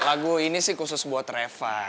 lagu ini sih khusus buat reva